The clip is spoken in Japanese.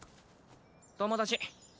友達！